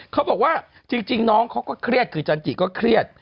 เขาบอกว่าจริงน้องเขาก็เครียดคือจันจิก็เครียด